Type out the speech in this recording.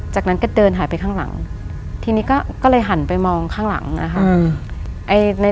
จากนั้นก็เดินหายไปข้างหลังทีนี้ก็เลยหันไปมองข้างหลังนะคะ